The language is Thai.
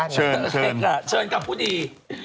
เชิญกับผู้ดี